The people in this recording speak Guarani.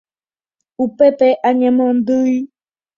upépe añemondýi